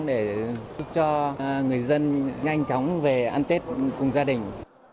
để giúp cho người dân nhanh chóng về ăn tết cùng gia đình